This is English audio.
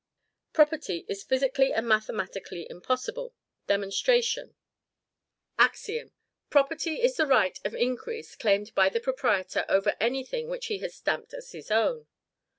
PROPERTY IS PHYSICALLY AND MATHEMATICALLY IMPOSSIBLE. DEMONSTRATION. AXIOM. Property is the Right of Increase claimed by the Proprietor over any thing which he has stamped as his own.